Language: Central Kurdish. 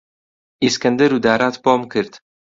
ئیسکەندەر و دارات بۆم کرد،